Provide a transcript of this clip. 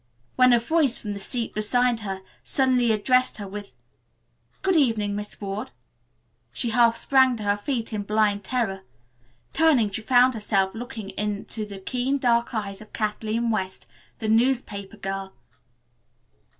When a voice from the seat behind her suddenly addressed her with, "Good evening, Miss Ward," she half sprang to her feet in blind terror. Turning, she found herself looking into the keen, dark eyes of Kathleen West, the newspaper girl.